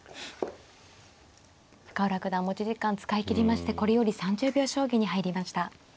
深浦九段持ち時間使い切りましてこれより３０秒将棋に入りました。